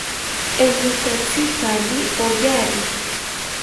¿Enitatzi jaani oyari?